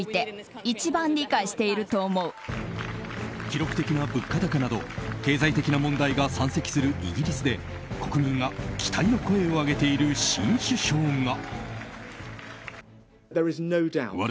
記録的な物価高など経済的な問題が山積するイギリスで国民が期待の声を上げている新首相が。